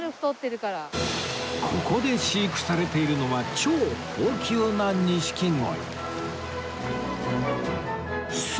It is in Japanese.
ここで飼育されているのは超高級な錦鯉